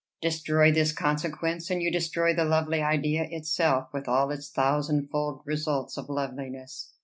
Destroy this consequence, and you destroy the lovely idea itself, with all its thousand fold results of loveliness."